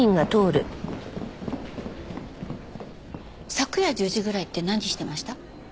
昨夜１０時ぐらいって何してました？